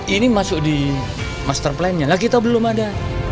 ini masuk di master plannya nah kita belum ada